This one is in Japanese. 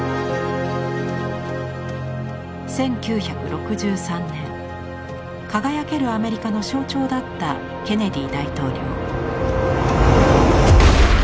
１９６３年輝けるアメリカの象徴だったケネディ大統領。